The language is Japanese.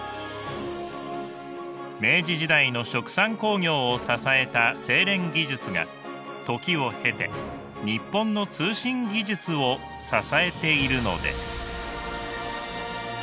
明治時代の殖産興業を支えた製錬技術が時を経て日本の通信技術を支えているのです。